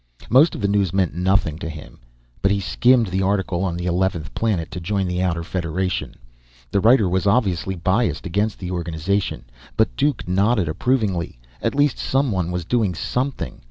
Most of the news meant nothing to him. But he skimmed the article on the eleventh planet to join the Outer Federation; the writer was obviously biased against the organization, but Duke nodded approvingly. At least someone was doing something.